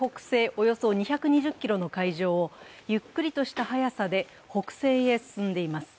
およそ２２０ｋｍの海上をゆっくりとした速さで北西へ進んでいます。